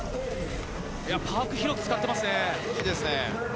パークを広く使っていますね。